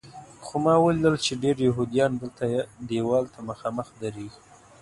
خو ما ولیدل چې ډېر یهودیان دلته دیوال ته مخامخ درېږي.